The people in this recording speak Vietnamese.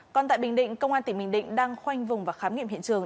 còn tại bình định công an tỉnh bình định đang khoanh vùng và khám nghiệm hiện trường